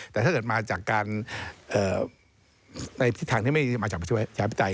แต่ถ้าเกิดมาจากการในทิศทางที่ไม่มาจากประชาธิปไตย